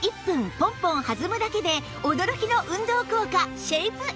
ポンポン弾むだけで驚きの運動効果シェイプエイト